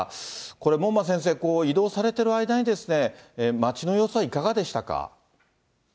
これ、門馬先生、移動されてる間に、街の様子はいかがでしたか。